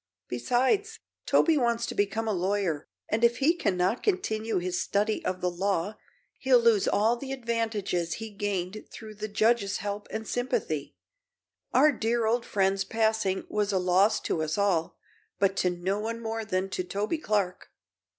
Besides, Toby wants to become a lawyer, and if he cannot continue his study of the law he'll lose all the advantages he gained through the judge's help and sympathy. Our dear old friend's passing was a loss to us all, but to no one more than to Toby Clark."